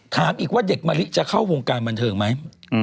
ถามอีกว่าเด็กมะลิจะเข้าวงการบันเทิงไหม